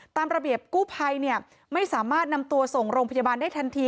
ตามระเบียบกู้ภัยไม่สามารถนำตัวส่งโรงพยาบาลได้ทันที